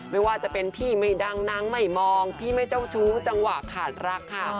ไม่ว่าจะเป็นพี่ไม่ดังนางไม่มองพี่ไม่เจ้าชู้จังหวะขาดรักค่ะ